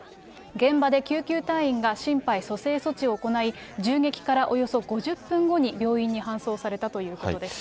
現場で救急隊員が心肺蘇生措置を行い、銃撃からおよそ５０分後に病院に搬送されたということです。